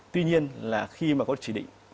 tuy nhiên là khi mà có chỉ định